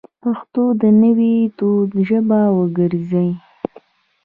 پښتو د نوي دور ژبه وګرځوئ